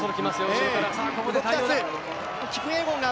ここで対応が。